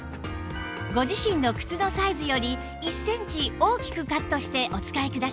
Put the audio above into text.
ご自身の靴のサイズより１センチ大きくカットしてお使いください